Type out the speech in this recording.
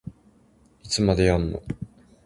いつまでやんの